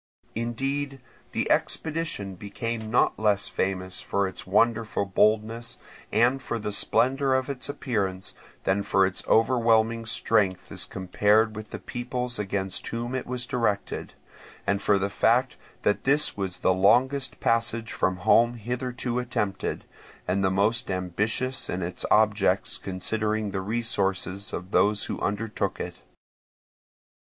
Indeed the expedition became not less famous for its wonderful boldness and for the splendour of its appearance, than for its overwhelming strength as compared with the peoples against whom it was directed, and for the fact that this was the longest passage from home hitherto attempted, and the most ambitious in its objects considering the resources of those who undertook it.